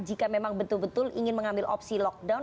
jika memang betul betul ingin mengambil opsi lockdown